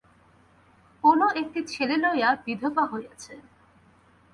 অনু একটি ছেলে লইয়া বিধবা হইয়াছে।